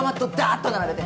っと並べて。